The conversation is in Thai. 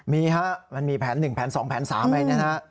มีค่ะมันมีแผนหนึ่งแผนสองแผนสามไงนะฮะ